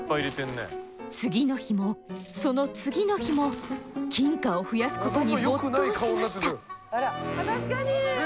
次の日もその次の日も金貨を増やすことに没頭しました。